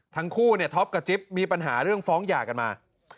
ทั้งคู่เนี่ยท็อปกับจิ๊บมีปัญหาเรื่องฟ้องหย่ากันมา